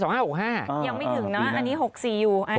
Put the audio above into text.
ยังไม่ถึงนะอันนี้๖๔อยู่